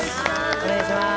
お願いします。